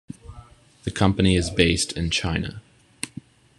The company is based in China.